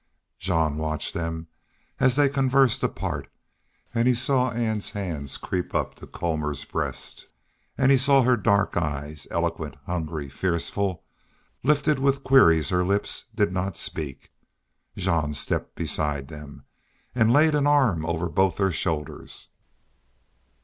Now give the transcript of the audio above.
Jean watched them, as they conversed apart; and he saw Ann's hands creep up to Colmor's breast, and he saw her dark eyes, eloquent, hungry, fearful, lifted with queries her lips did not speak. Jean stepped beside them, and laid an arm over both their shoulders.